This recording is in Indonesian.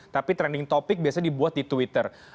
tapi trending topic biasanya dibuat di twitter